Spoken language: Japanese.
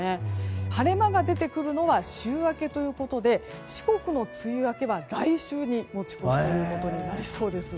晴れ間が出てくるのは週明けということで四国の梅雨明けは来週に持ち越しとなりそうです。